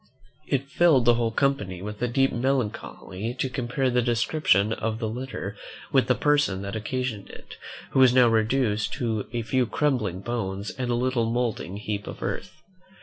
It filled the whole company with a deep melancholy to compare the description of the letter with the person that occasioned it, who was now reduced to a few crumbling bones and a little mouldering heap of earth.